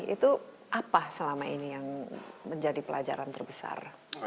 itu apa selama ini yang menjadi pelajaran terbesar